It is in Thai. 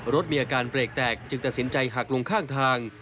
รถมีอาการเบรกแตกจึงตัดสินใจหักลงข้างทาง